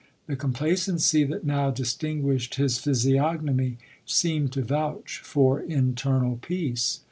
The complacency that now distinguished his physiognomy seemed to vouch for internal peace.